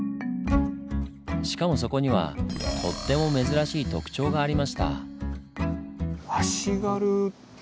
しかもそこにはとっても珍しい特徴がありました。